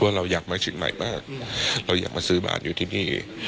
ว่าเราอยากมาชิงไหนบ้างเราอยากมาซื้อบ้านอยู่ที่นี่